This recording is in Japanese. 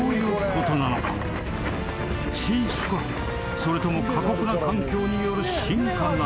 それとも過酷な環境による進化なのか？］